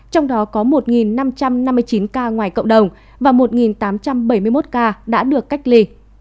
trong đó có một năm trăm năm mươi chín ca ngoài cộng đồng và một tám trăm bảy mươi một ca đã được cách ly